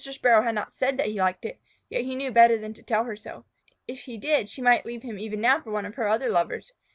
Sparrow had not said that he liked it, yet he knew better than to tell her so. If he did, she might leave him even now for one of her other lovers.